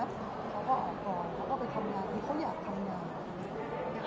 เขาก็ออกก่อนเขาก็ไปทำงานคือเขาอยากทำงาน